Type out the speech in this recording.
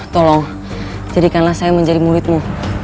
tolong jadikanlah saya menjadi muridmu